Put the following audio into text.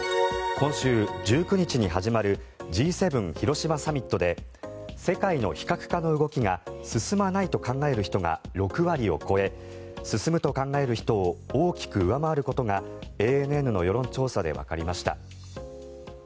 今週１９日に始まるＧ７広島サミットで世界の非核化の動きが進まないと考える人が６割を超え進むと考える人を大きく上回ることがＡＮＮの世論調査でわかりました。